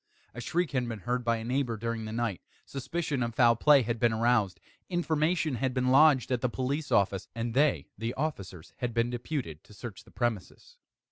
A shriek had been heard by a neighbour during the night; suspicion of foul play had been aroused; information had been lodged at the police office, and they (the officers) had been deputed to search the premises.